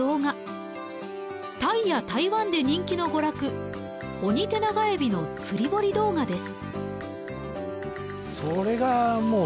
タイや台湾で人気の娯楽オニテナガエビの釣り堀動画です。